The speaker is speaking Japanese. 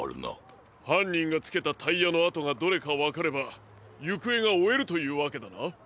はんにんがつけたタイヤのあとがどれかわかればゆくえがおえるというわけだな。